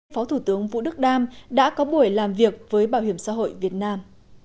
phó thủ tướng vũ đức đam đã có buổi làm việc với bảo hiểm xã hội việt nam